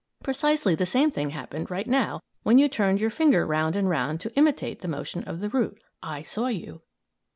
Precisely the same thing happened right now when you turned your finger round and round to imitate the motion of the root. (I saw you!)